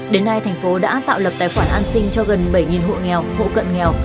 đến nay thành phố đã tạo lập tài khoản an sinh cho gần bảy hộ nghèo hộ cận nghèo